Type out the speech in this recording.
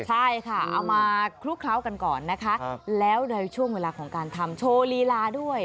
ใช่ค่ะเอามาคลุกเคล้ากันก่อนนะคะแล้วในช่วงเวลาของการทำโชว์ลีลาด้วย